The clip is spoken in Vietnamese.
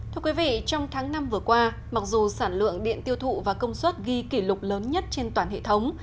thưa quý vị trong tháng năm vừa qua mặc dù sản lượng điện tiêu thụ và công suất ghi kỷ lục lớn nhất trên toàn hệ thống